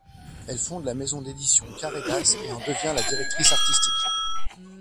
Elle fonde la maison d'édition Karédas et en devient la directrice artistique.